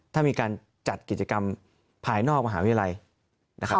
ถ้ามีการจัดกิจกรรมภายนอกมหาวิทยาลัยนะครับ